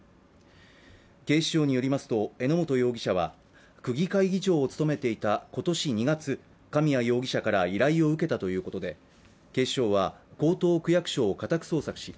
警視庁によりますと、榎本容疑者は区議会議長を務めていた今年２月、神谷容疑者から依頼を受けたということで、警視庁は江東区役所を家宅捜索し、